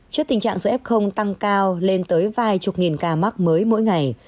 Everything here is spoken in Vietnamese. trước tình trạng số f tăng cao lên tới vài chục nghìn ca mắc mới mỗi ngày